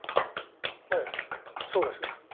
ええそうです。